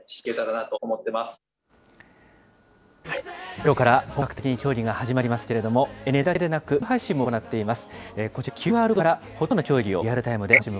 きょうから本格的に競技が始まりますけれども、ＮＨＫではテレビだけでなく、ライブ配信も行っています。